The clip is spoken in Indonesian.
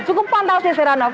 cukup pantas ya heranov